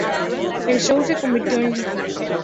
El show se convirtió en Live!